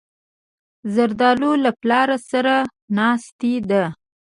زردالو له پلار سره ناستې ده.